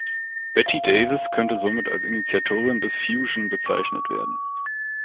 Betty Davis könnte somit als Initiatorin des Fusion bezeichnet werden.